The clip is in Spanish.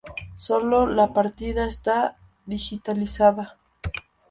Sólo "La Partida" está digitalizada.